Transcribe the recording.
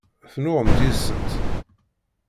Tennuɣemt yid-sent?